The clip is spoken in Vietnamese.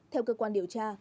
theo cơ quan điều tra